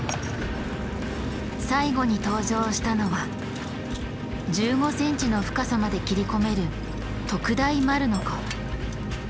最後に登場したのは１５ｃｍの深さまで切り込める特大丸ノコ。